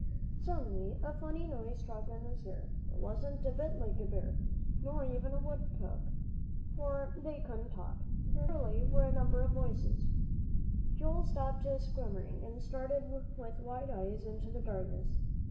Suddenly a very funny noise struck his ear; it wasn't a bit like a bear, nor even a wood chuck, for they couldn't talk. And there surely were a number of voices. Joel stopped squirming, and stared with wide eyes into the darkness.